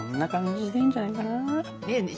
ねえねえ